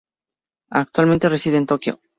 Actualmente reside en Tokio.